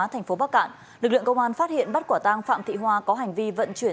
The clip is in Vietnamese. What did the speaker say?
thành phố bắc cạn lực lượng công an phát hiện bắt quả tang phạm thị hoa có hành vi vận chuyển